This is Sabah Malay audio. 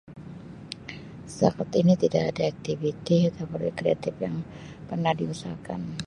Setakat ini tidak ada aktiviti projek kreatif yang pernah diusahakan.